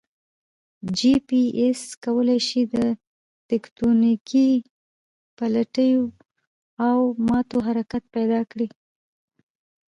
جي پي ایس کوای شي د تکوتنیکي پلیټو او ماتو حرکت پیدا کړي